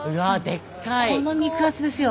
この肉厚ですよ。